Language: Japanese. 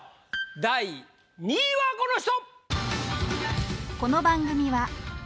第２位はこの人！